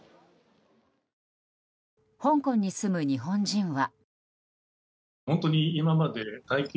香港に住む日本人は。